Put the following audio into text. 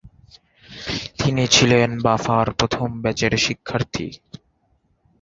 তিনি ছিলেন বাফার প্রথম ব্যাচের শিক্ষার্থী।